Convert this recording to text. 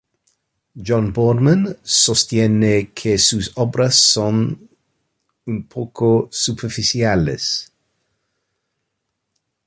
John Boardman sostiene que sus obras son un poco superficiales.